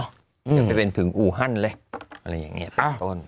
ยังไม่เป็นถึงอูฮันเลยอะไรอย่างนี้เป็นต้น